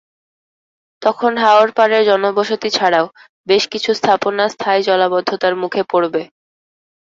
তখন হাওরপারের জনবসতি ছাড়াও বেশ কিছু স্থাপনা স্থায়ী জলাবদ্ধতার মুখে পড়বে।